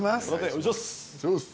お願いします！